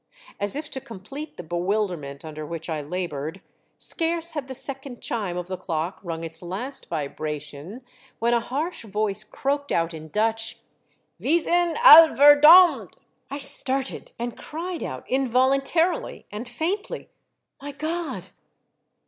As if to complete the bewilderment under which I laboured, scarce had the second chime of the clock rung its last vibration, when a harsh voice croaked out in Dutch — "Mv 3BII al lDel•^oln^!" I started, and cried out involuntarily and faintly, " My God